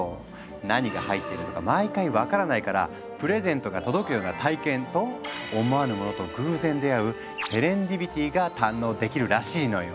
何が入ってるのか毎回分からないから「プレゼントが届くような体験」と「思わぬものと偶然出会うセレンディピティ」が堪能できるらしいのよ。